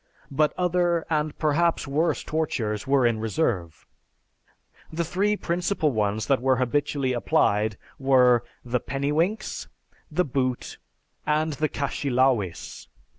But other and perhaps worse tortures were in reserve. The three principal ones that were habitually applied were the "pennywinks, the boot, and the caschielawis."